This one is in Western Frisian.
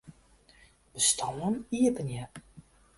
Bestân iepenje.